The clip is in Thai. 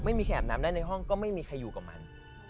ไม่มีแขบน้ำได้ในห้องก็ไม่มีใครอยู่กับมัน